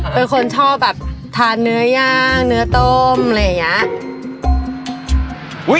เป็นคนชอบแบบทานเนื้อย่างเนื้อต้มอะไรอย่างนี้